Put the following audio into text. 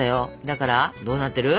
だからどうなってる？